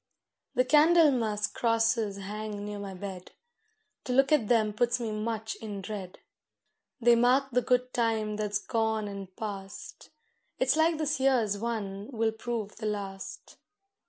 The Candlemas crosses hang near my bed; To look at them puts me much in dread, They mark the good time that's gone and past: It's like this year's one will prove the last.